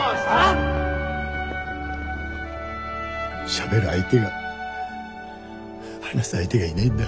しゃべる相手が話す相手がいないんだ。